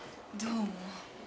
どうも。